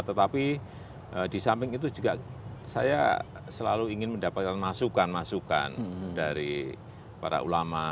tetapi di samping itu juga saya selalu ingin mendapatkan masukan masukan dari para ulama